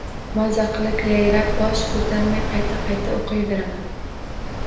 Maza qilib, yayrab, bosh ko’tarmay, qayta-qayta o’qiyveraman.